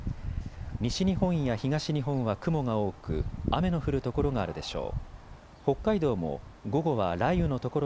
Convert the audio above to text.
西日本や東日本は雲が多く雨の降る所があるでしょう。